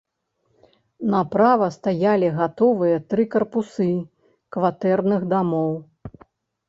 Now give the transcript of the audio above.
Направа стаялі гатовыя тры карпусы кватэрных дамоў.